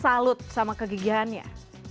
salut sama kegigihannya